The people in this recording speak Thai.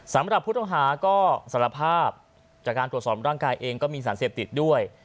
สำหรับผู้ต้องหาก็สารภาพจากการตรวจสอบร่างกายเองก็มีสารเสพติดด้วย